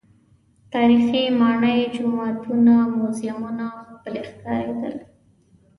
تاریخي ماڼۍ، جوماتونه، موزیمونه ښکلي ښکارېدل.